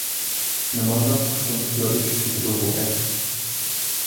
نېمانداق ئۇشتۇمتۇتلا ئۆچۈپ كېتىدۇ بۇ ئەپ؟